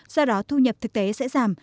do đó thu nhập thực tế sẽ giảm